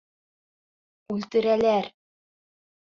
Үлтерәләр!